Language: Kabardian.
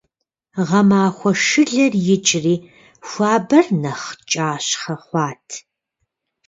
Гъэмахуэ шылэр икӀри, хуабэр нэхъ кӀащхъэ хъуат.